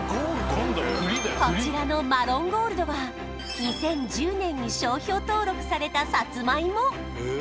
こちらのマロンゴールドは２０１０年に商標登録されたサツマイモ